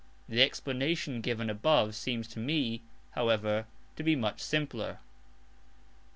The explanation given above seems to me, however, to be much simpler. (ii.).